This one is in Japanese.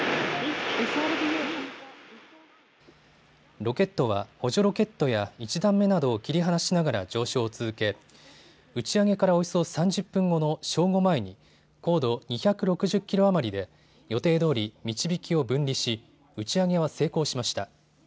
ロケットは補助ロケットや１段目などを切り離しながら上昇を続け打ち上げからおよそ３０分後の正午前に高度２６０キロ余りで予定どおり、みちびきを分離し打ち上げは成功しました。